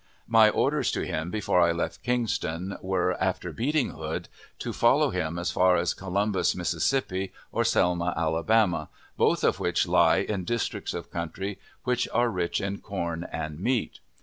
My orders to him before I left Kingston were, after beating Hood, to follow him as far as Columbus, Mississippi, or Selma, Alabama, both of which lie in districts of country which are rich in corn and meat.